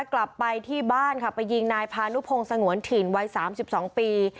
กลับไปที่บ้านค่ะไปยิงนายพานุพงศ์สงวนถิ่นวัย๓๒ปี